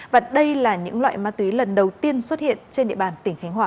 và đây là những loại ma túy lần đầu tiên xuất hiện trên địa bàn tỉnh khánh hòa